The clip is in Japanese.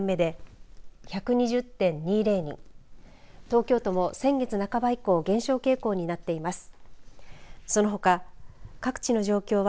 東京都も先月半ば以降減少傾向になっています。